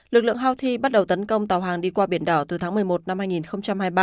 lực lượng houthi bắt đầu tấn công tàu hàng đi qua biển đỏ từ tháng một mươi một năm hai nghìn hai mươi ba